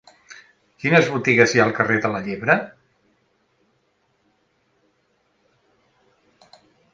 Quines botigues hi ha al carrer de la Llebre?